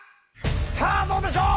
さあどうでしょう！